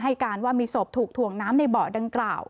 การว่ามีศพถูกถ่วงน้ำในเบาะดังกล่าว